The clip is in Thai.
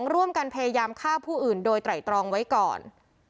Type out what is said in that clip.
ร่วมกันพยายามฆ่าผู้อื่นโดยไตรตรองไว้ก่อน